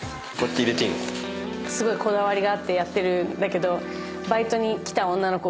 すごいこだわりがあってやってるんだけど。